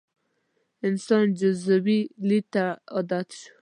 انسان جزوي لید ته عادت شو.